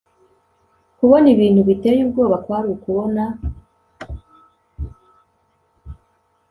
Kubona ibintu biteye ubwoba kwari ukubona